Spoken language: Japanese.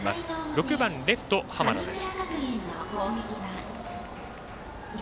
６番レフト、濱田です。